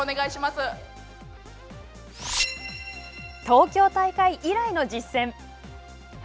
東京大会以来の実戦！